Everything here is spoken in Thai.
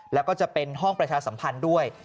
แล้วก็จะเป็นห้องประชาสัมพันธ์ด้วย